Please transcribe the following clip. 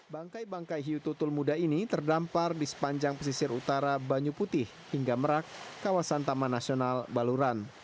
bangkai bangkai hiu tutul muda ini terdampar di sepanjang pesisir utara banyu putih hingga merak kawasan taman nasional baluran